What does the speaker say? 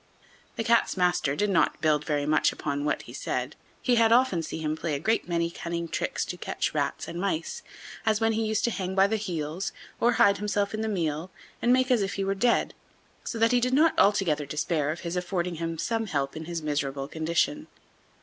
The Cat's master did not build very much upon what he said. He had often seen him play a great many cunning tricks to catch rats and mice, as when he used to hang by the heels, or hide himself in the meal, and make as if he were dead; so that he did not altogether despair of his affording him some help in his miserable condition.